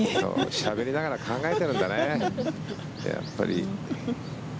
しゃべりながら考えてるんだね。